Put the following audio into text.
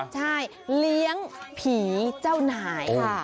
ใช่เลี้ยงผีเจ้านายค่ะ